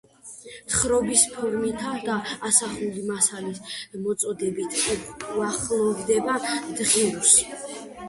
თხრობის ფორმითა და ასახული მასალის მოწოდებით უახლოვდება დღიურს.